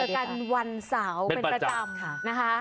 กันวันเสาร์เป็นประจำนะคะ